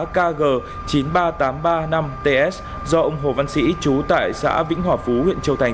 kg chín nghìn ba trăm tám mươi ba năm ts do ông hồ văn sĩ trú tại xã vĩnh hòa phú huyện châu thành